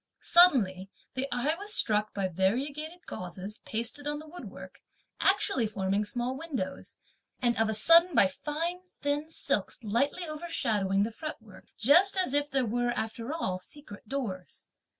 Suddenly (the eye was struck) by variegated gauzes pasted (on the wood work), actually forming small windows; and of a sudden by fine thin silks lightly overshadowing (the fretwork) just as if there were, after all, secret doors.